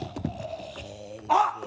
あっ！